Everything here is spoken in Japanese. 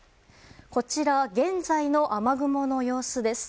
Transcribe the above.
こちらは現在の雨雲の様子です。